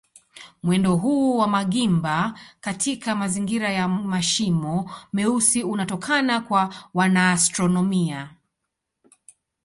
Mwendo huu wa magimba katika mazingira ya mashimo meusi unaonekana kwa wanaastronomia.